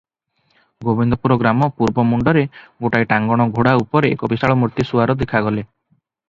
ଗୋବିନ୍ଦପୁର ଗ୍ରାମ ପୂର୍ବ ମୁଣ୍ତରେ ଗୋଟାଏ ଟାଙ୍ଗଣ ଘୋଡ଼ା ଉପରେ ଏକ ବିଶାଳମୂର୍ତ୍ତି ସୁଆର ଦେଖାଗଲେ ।